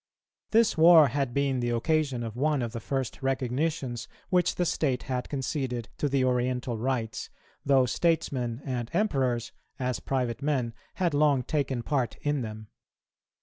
This war had been the occasion of one of the first recognitions which the state had conceded to the Oriental rites, though statesmen and emperors, as private men, had long taken part in them.